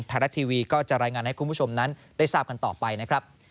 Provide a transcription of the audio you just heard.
ไทยรัฐทีวีก็จะรายงานให้คุณผู้ชมนั้นได้ทราบกันต่อไปนะครับ